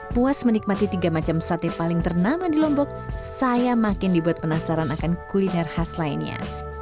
puas menikmati tiga macam sate paling ternama di lombok saya makin dibuat penasaran akan kuliner khas lainnya